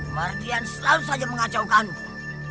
martian selalu saja mengacaukanku